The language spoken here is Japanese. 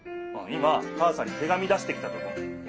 今母さんに手紙出してきたとこ。